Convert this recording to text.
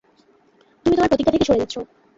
তুমি তোমার প্রতিজ্ঞা থেকে সরে যাচ্ছ।